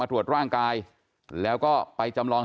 ตรวจร่างกายแล้วก็ไปจำลอง